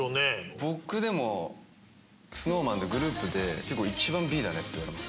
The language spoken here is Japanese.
僕でも、ＳｎｏｗＭａｎで、グループで、結構一番Ｂだねって言われます。